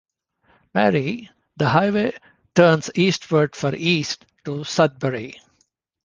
Marie, the highway turns eastward for east to Sudbury.